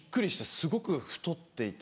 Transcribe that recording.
すごく太っていて。